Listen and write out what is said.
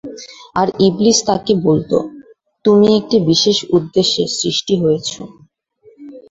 আর ইবলীস তাঁকে বলত, তুমি একটি বিশেষ উদ্দেশ্যে সৃষ্ট হয়েছ।